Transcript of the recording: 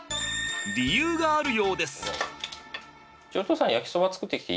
理由があるようです。